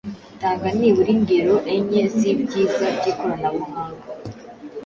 Tanga nibura ingero enye z’ibyiza by’ikoranabuhanga